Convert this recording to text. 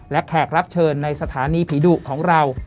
และแขกรับเชิญในสถานีผีดุของเรา